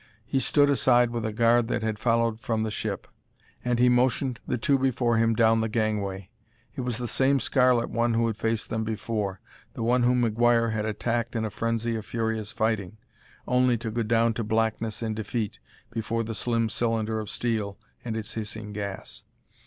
He stood aside with a guard that had followed from the ship, and he motioned the two before him down the gangway. It was the same scarlet one who had faced them before, the one whom McGuire had attacked in a frenzy of furious fighting, only to go down to blackness and defeat before the slim cylinder of steel and its hissing gas.